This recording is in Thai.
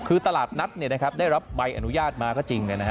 คือทราบนัดได้รับใบอนุญาตมาก็จริงนะครับ